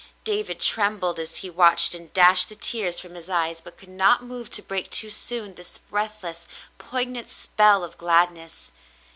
David trembled as he watched, and dashed the tears from his eyes, but could not move to break too soon this breathless, poignant spell of gladness.